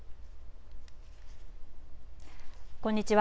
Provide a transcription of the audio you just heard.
こんにちは。